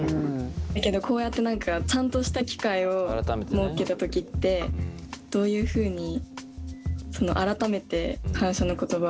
だけどこうやってちゃんとした機会を設けた時ってどういうふうに改めて感謝の言葉を伝えたのかなって気になります。